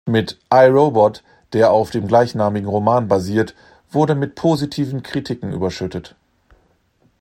Mit "I, Robot", der auf dem gleichnamigen Roman basiert, wurde mit positiven Kritiken überschüttet.